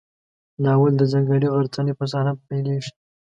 ناول د ځنګلي غرڅنۍ په صحنه پیلېږي.